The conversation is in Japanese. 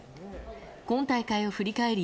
今大会を振り返り